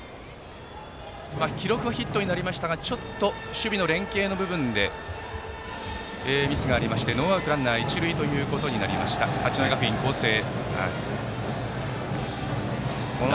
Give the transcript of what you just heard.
記録はヒットになりましたが守備の連係の部分でミスがありましてノーアウトランナー一塁となった八戸学院光星の攻撃。